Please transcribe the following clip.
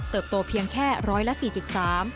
เติบโตเพียงแค่ร้อยละ๔๓